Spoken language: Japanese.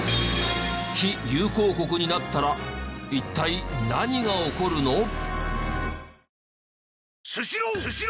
非友好国になったら一体何が起こるの？